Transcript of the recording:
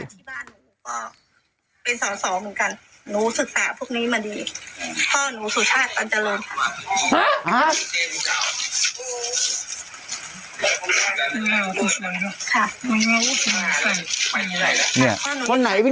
ที่บ้านหนูก็เป็นสองเหมือนกัน